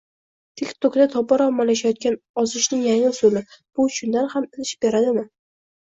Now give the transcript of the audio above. TikTok’da tobora ommalashayotgan ozishning yangi usuli: bu chindan ham ish beradimi?